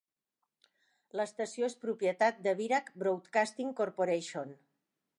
L'estació és propietat de Birach Broadcasting Corporation.